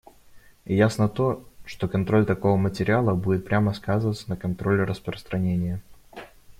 И ясно то, что контроль такого материала будет прямо сказываться на контроле распространения.